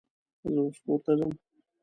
زه اوس کور ته ځم